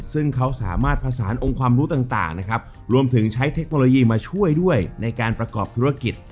ซึ่งเขาสามารถผสานองค์ความรู้ต่างนะครับรวมถึงใช้เทคโนโลยีมาช่วยด้วยในการประกอบธุรกิจ